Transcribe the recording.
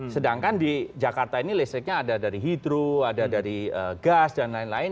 sedangkan di jakarta ini listriknya ada dari hidro ada dari gas dan lain lain